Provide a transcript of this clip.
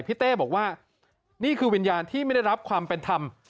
เต้บอกว่านี่คือวิญญาณที่ไม่ได้รับความเป็นธรรม